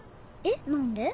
えっ何で？